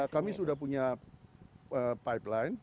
kami sudah punya pipeline